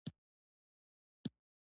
زما له قلم او کلام سره یې څویمه ده.